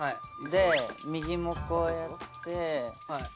右もこうやって。